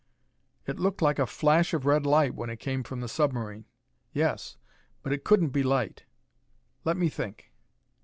"It looked like a flash of red light when it came from the submarine." "Yes, but it couldn't be light. Let me think."